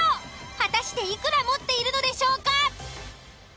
果たしていくら持っているのでしょうか？